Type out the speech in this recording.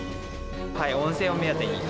温泉を目当てに。